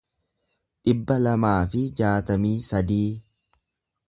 dhibba lamaa fi jaatamii sadii